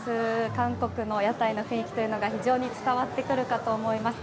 韓国の屋台の雰囲気というのが非常に伝わってくるかと思います。